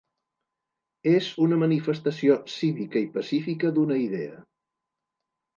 És una manifestació cívica i pacífica d’una idea.